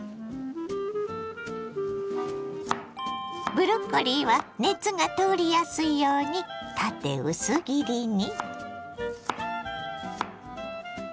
ブロッコリーは熱が通りやすいように縦薄切りに。